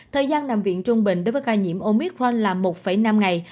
thời gian nằm viện trung bình đối với ca nhiễm omicron là một năm ngày